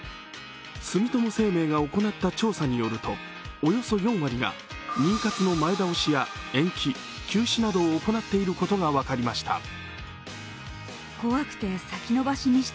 住友生命が行った調査によるとおよそ４割が妊活の前倒しや延期、休止などを行っていることが分かりました。